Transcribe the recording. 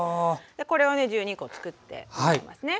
これをね１２コつくっていきますね。